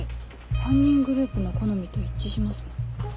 犯人グループの好みと一致しますね。